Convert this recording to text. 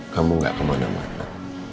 kamu gak kemana mana